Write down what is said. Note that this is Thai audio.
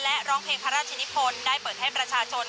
และร้องเพลงพระราชนิพลได้เปิดให้ประชาชน